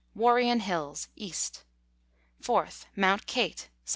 Warrion Hills, East. 4th. Mount Kate, S.W.